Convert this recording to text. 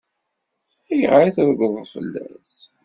Ayɣer i treggleḍ fell-as?